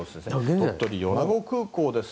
鳥取・米子空港です。